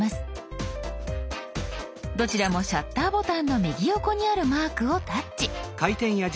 どちらもシャッターボタンの右横にあるマークをタッチ。